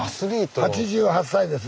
８８歳です。